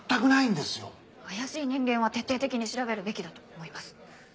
怪しい人間は徹底的に調べるべきだと思います。